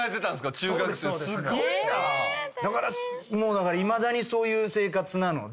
だからいまだにそういう生活なので。